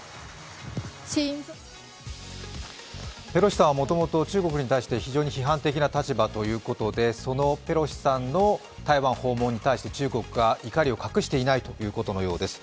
ペロシさんはもともと中国に対して非常に批判的な立場ということでそのペロシさんの台湾訪問に対して中国が怒りを隠していないということのよです。